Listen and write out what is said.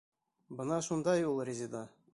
Бына шундай ул Резеда.